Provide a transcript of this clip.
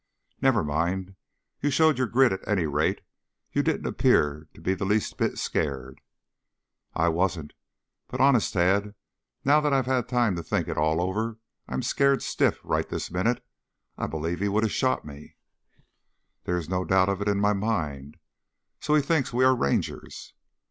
"Never mind. You showed your grit at any rate. You didn't appear to be the least bit scared." "I wasn't. But honest, Tad, now that I've had time to think it all over, I'm scared stiff right this minute. I believe he would have shot me." "There is no doubt of it in my mind. So he thinks we are Rangers?"